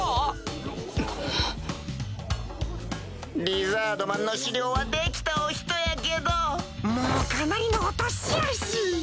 リザードマンの首領はできたお人やけどもうかなりのお年やし。